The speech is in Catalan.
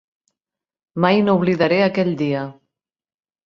Mai no oblidaré aquell dia.